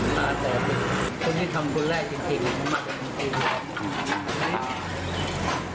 ตาแตกศึกคนที่ทำคนแรกจริงมันมากกว่าคนจริง